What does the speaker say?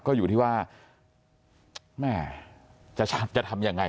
ก็อยู่ที่ว่าแม่จะทำยังไง